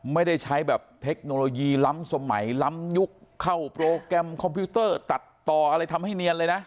ไม่ได้ใช้แบบเทคโนโลยีล้ำสมัยล้ำยุคเข้าโปรแกรมคอมพิวเตอร์ตัดต่ออะไรทำให้เนียนเลยนะ